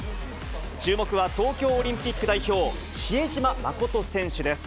注目は東京オリンピック代表、比江島慎選手です。